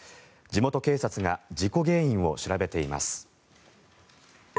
地元警察が事故原因を調べています。